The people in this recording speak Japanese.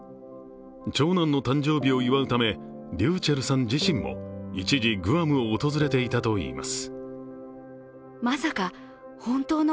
長男の誕生日を祝うため、ｒｙｕｃｈｅｌｌさん自身も一時、グアムを訪れていたといいます。